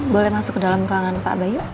boleh masuk ke dalam ruangan pak bayu